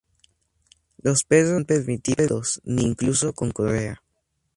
Los perros no están permitidos, ni incluso con correa.